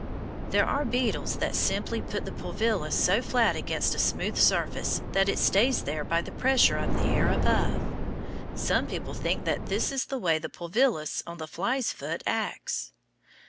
There are beetles that simply put the pulvillus so flat against a smooth surface that it stays there by the pressure of the air above. Some people think that is the way the pulvillus on the fly's foot acts.